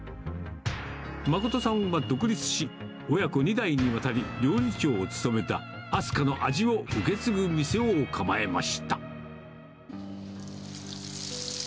誠さんは独立し、親子２代にわたり料理長を務めた亜寿加の味を受け継ぐ店を構えました。